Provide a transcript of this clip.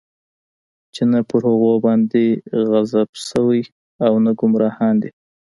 چې نه پر هغوى باندې غضب شوى او نه ګمراهان دی.